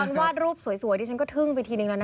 วาดรูปสวยดิฉันก็ทึ่งไปทีนึงแล้วนะ